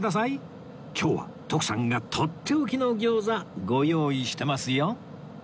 今日は徳さんがとっておきの餃子ご用意してますよ